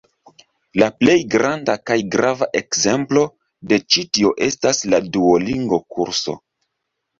La plej granda kaj grava ekzemplo de ĉi tio estas la Duolingo-kurso.